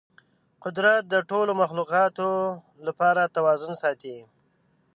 قدرت د ټولو مخلوقاتو لپاره توازن ساتي.